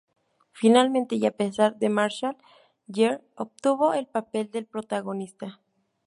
Finalmente y a pesar de Marshall, Gere obtuvo el papel del protagonista.